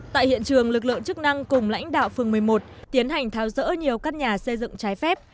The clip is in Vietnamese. tại hiện trường lực lượng chức năng cùng lãnh đạo phường một mươi một tiến hành tháo rỡ nhiều căn nhà xây dựng trái phép